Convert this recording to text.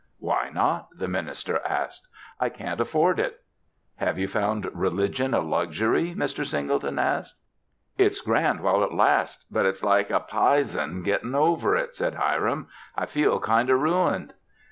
"Why not?" the minister asked. "I can't afford it." "Have you found religion a luxury?" Mr. Singleton asked. "It's grand while it lasts, but it's like p'ison gettin' over it," said Hiram. "I feel kind o' ruined."